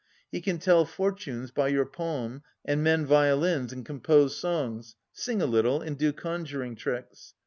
He can tell fortunes by your palm and mend violins and compose songs, sing a little, and do con juring tricks.